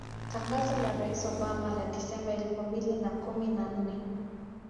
Tangazo la Rais Obama la Disemba elfu mbili na kumi na nne